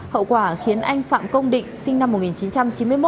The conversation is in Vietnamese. hậu quả khiến anh phạm công định sinh năm một nghìn chín trăm chín mươi một